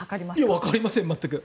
わかりません、全く。